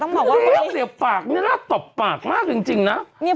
นิราชตบปากมากจริงนะ